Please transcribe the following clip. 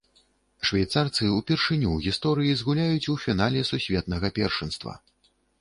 Швейцарцы ўпершыню ў гісторыі згуляюць у фінале сусветнага першынства!